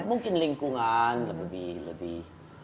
mungkin lingkungan lebih lebih